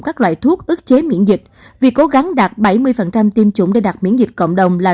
các loại thuốc ức chế miễn dịch vì cố gắng đạt bảy mươi tiêm chủng để đạt miễn dịch cộng đồng là